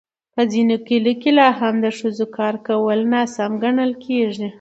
په ځینو کلیو کې لا هم د ښځو کار کول ناسم ګڼل کېږي.